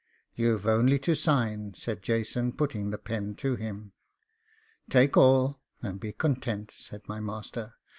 'You've only to sign,' said Jason, putting the pen to him. 'Take all, and be content,' said my master.